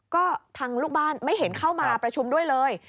ก็ทางลูกบ้านไม่เห็นเข้ามาประชุมด้วยเลย